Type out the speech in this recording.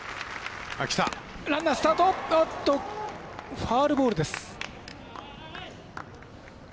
ファウルボールです。